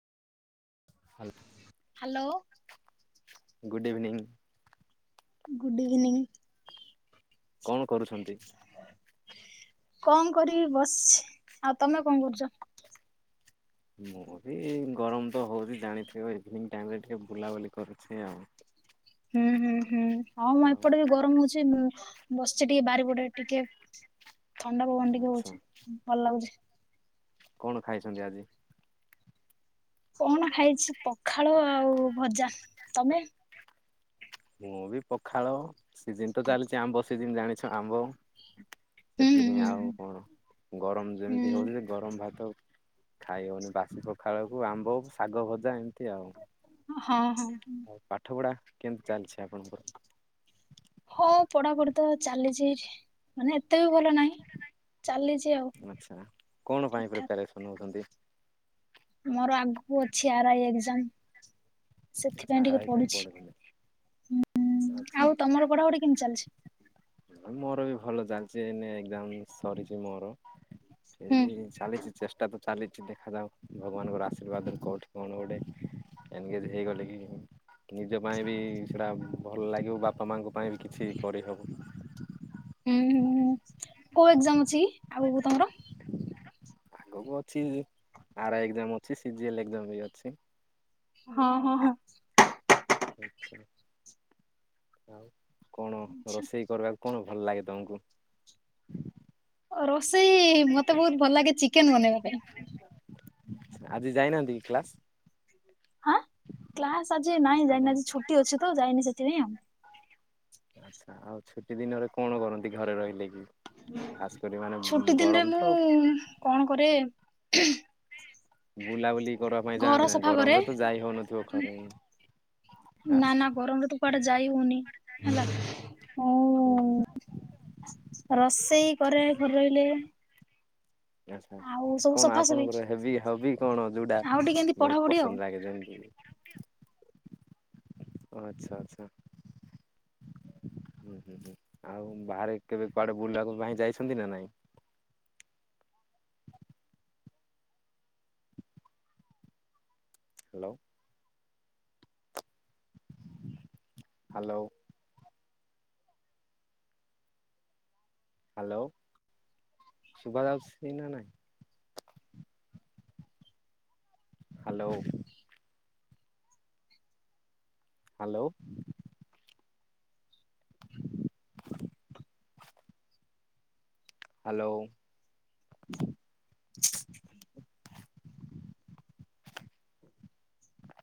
Hello hello. Good evening. Good evening. କଣ କରୁଛନ୍ତି? କଣ କରିବି ବସିଛି। ଆଉ ତମେ କଣ କରୁଚ? ମୁଁ ବି ଗରମ ତ ହୋଉଚି ଜାଣିଥିବ। ଇଭିନିଂ ଟାଇମରେ ଟିକେ ବୁଲାବୁଲି କରୁଛେଁ ଆଉ। ହୁଁ ହୁଁ ହୁଁ ଆମ ଆଉ ଏପଟେ ବି ଗରମ ହୋଉଛି। ବସଛି ଟିକେ ବାରିପଟେ ଟିକେ ଥଣ୍ଡା ପବନ ଟିକେ ଆଚ୍ଛା ହୋଉଚି ଭଲ ଲାଗୁଛି। କଣ ଖାଇଛନ୍ତି ଆଜି? କଣ ଖାଇଛି ପଖାଳ ଆଉ ଭଜା ତମେ? ମୁଁ ବି ପଖାଳ ସିଜିନ ତ ଚାଲିଛି ଆମ୍ୱ ସି ସିଜିନ ଜାଣିଛ ଆମ୍ବ ହୁଁ ସେତିକି ହିଁ ହୁଁ ଆଉ ହୁଁ କଣ ଗରମ ହୁଁ ଯେମିତି ହଉଚି ଗରମ ଭାତ ଖାଇ ହଉନି ବାସି ପଖାଳକୁ ଆମ୍ବ ଶାଗ ଭଜା ଏମତି ତି ଆଉ ହଁ ହଁ। ଆଉ ପାଠ ପଢା କେମତି ଚାଲିଛି ଆପଣଙ୍କର ହଁ ପଢାପଢି ତ ଚାଲିଛି ଏଠି ମାନେ ଏତେ ବି ଭଲ ନାହିଁ ଚାଲିଛି ଆଉ ଆଚ୍ଛା। କଣ ପାଇଁ ପ୍ରିପାରେସନ ଠିକଠାକ। ହଉଛନ୍ତି? ଜାମ ଆଚ୍ଛା ଆରାଇ ପାଇଁ ପଢୁଛନ୍ତି ଆଚ୍ଛା ଆଉ ତମର ପଢାପଢି କେମିତି ଚାଲିଛି? ଆଚ୍ଛା ମୋର ବି ଭଲ ଚାଲିଛି ଏଇନେ ଏକ୍ଜାମ ସରିଛି ମୋର ସେ ହୁଁ ଚାଲିଛି ଚେଷ୍ଟା ତ ଚାଲିଛି ଦେଖାଯାଉ ଭଗବାନଙ୍କର ଆଶୀର୍ବାଦ କୋଉଠି କଣ ଗୋଟେ ଏନଗେଜ ହେଇଗଲେ କି ନିଜ ପାଇଁ ବି ସେଇଟା ଭଲ ଲାଗିବ ବାପା ମାଆଙ୍କ ପାଇଁ ବି କିଛି କରିହେବ ହୁଁ ହୁଁ କୋଉ ଏଜ୍ଜାମ୍ ଅଛି ଆଗକୁ ତମର ଆଗକୁ ଅଛି ଆରାଇ ଏଜ୍ଜାମ୍ ଅଛି ସିଜିଏଲ୍ ବି ଅଛି ହଁ ହଁ ହଁ ଏଥର ଆଉ କଣ ଆଛା ରୋଷେଇ କରିବାକୁ କଣ? ଭଲ ଲାଗେ ତମକୁ ରୋଷେଇ ମତେ ବହୁତ ଭଲ ଲାଗେ ଚିକେନ ବନେଇବା ପାଇଁ କ୍ଲାସ ହଁ କ୍ଲାସ ଆଜି ନାଇଁ ଆପଣ ଯାଇନି ଆଜି ଛୁଟି ଅଛି ତ ଯାଇନି ସେଥିପାଇଁ ଆଉ ଆଚ୍ଛା ଆଉ ଛୁଟି ଦିନରେ କଣ କରନ୍ତି ଘରେ ରହିଲେ ବି ଛୁଟି ଦିନରେ ତ ମୁଁ କଣ କରେ [inaudible] ବୁଲାବୁଲି କରିବା ପାଇଁ ଘର ଯାଆନ୍ତି ନା ସଫା କରେ ଗରମରେ ତ ଯାଇ ହଉନଥିବ ଖରେ ନା ଆଚ୍ଛା ନା ଗରମରେ ତୁ କୁଆଡେ ଯାଇ ହଉନି ହେଲା ହୁଁ ହୁଁ ମୁଁ ରୋଷେଇ କରେ ଘରେ ରହିଲେ ଆଚ୍ଛା ଆଉ ସବୁ କଣ ସଫାସଫି ଆପଣଙ୍କର ହେବି ହବି କଣ ଯୋଉଟା ଆଉ ଟିକେ ଏମିତି ବହୁତ ପଢାପଢି ଆଉ। ପସନ୍ଦ ଲାଗେ ଯେମିତି ଆଚ୍ଛା ଆଚ୍ଛା ହୁଁ ହୁଁ ହୁଁ ଆଉ ବାହାରେ କେବେ କୁଆଡେ ବୁଲିବାକୁ ପାଇଁ ଯାଇଛନ୍ତି ନା ନାଇଁ ହ୍ୟାଲୋ ହ୍ୟାଲୋ ହ୍ୟାଲୋ ଶୁଭାଯାଉଛି କି ନା ନାଇଁ ହ୍ୟାଲୋ ହ୍ୟାଲୋ ହ୍ୟାଲୋ